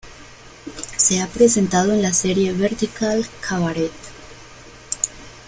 Se ha presentado en la serie "Vertical Cabaret".